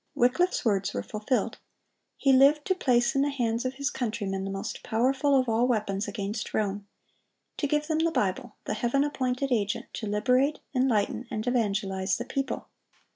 Wycliffe's words were fulfilled. He lived to place in the hands of his countrymen the most powerful of all weapons against Rome,—to give them the Bible, the Heaven appointed agent to liberate, enlighten, and evangelize the people.